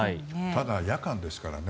ただ、夜間ですからね。